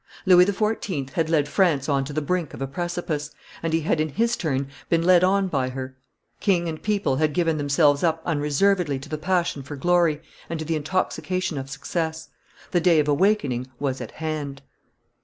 Louis XIV. had led France on to the brink of a precipice, and he had in his turn been led on by her; king and people had given themselves up unreservedly to the passion for glory and to the intoxication of success; the day of awakening was at hand.